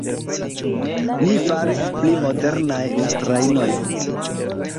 Li faris pli modernaj la trajnojn.